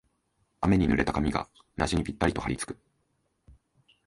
雨に濡れた髪がうなじにぴったりとはりつく